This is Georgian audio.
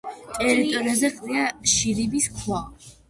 ტერიტორიაზე ყრია შირიმის ქვა.